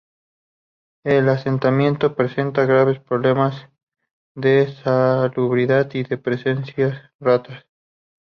El asentamiento presenta graves problemas de salubridad y de presencia de ratas.